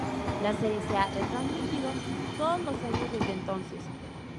La serie se ha retransmitido todos los años desde entonces.